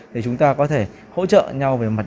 thì chúng ta có thể hỗ trợ nhau về mặt